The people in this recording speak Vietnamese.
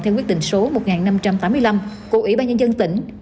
theo quyết định số một nghìn năm trăm tám mươi năm của ủy ban nhân dân tỉnh